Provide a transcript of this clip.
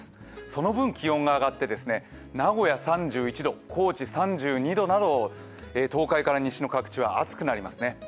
その分気温が上がって名古屋３１度、高知３２度など東海から西の各地は暑くなります。